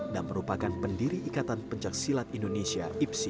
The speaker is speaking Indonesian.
dan merupakan pendiri ikatan pencaksilat indonesia